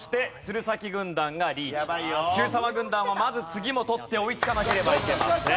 軍団はまず次も取って追いつかなければいけません。